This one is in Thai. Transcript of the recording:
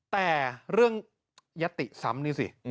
แต่เรื่องยัตติซ้ำนี่สิ